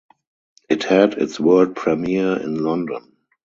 It had its world premiere in London.